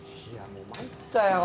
もう参ったよ。